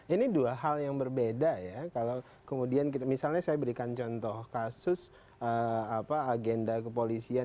ini dua hal yang berbeda ya kalau kemudian misalnya saya berikan contoh kasus agenda kepolisian